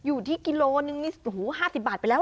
อยู่ที่กิโลนึงนี่๕๐บาทไปแล้ว